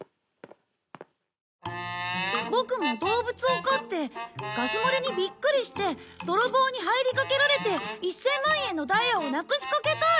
ボクも動物を飼ってガスもれにビックリして泥棒に入りかけられて１０００万円のダイヤをなくしかけたい！